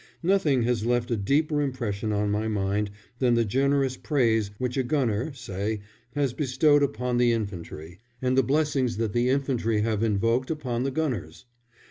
Nothing has left a deeper impression on my mind than the generous praise which a gunner, say, has bestowed upon the infantry, and the blessings that the infantry have invoked upon the gunners.